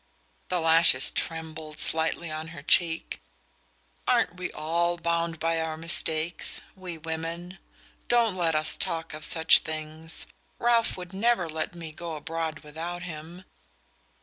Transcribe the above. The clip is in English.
The lashes trembled slightly on her cheek. "Aren't we all bound by our mistakes we women? Don't let us talk of such things! Ralph would never let me go abroad without him."